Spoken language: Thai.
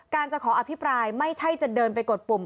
จะขออภิปรายไม่ใช่จะเดินไปกดปุ่ม